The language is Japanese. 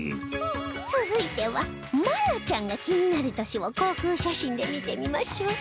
続いては愛菜ちゃんが気になる都市を航空写真で見てみましょう